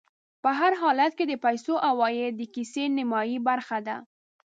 په هر حالت کې د پیسو عوايد د کيسې نیمایي برخه ده